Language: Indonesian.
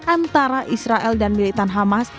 antara israel dan militan hamas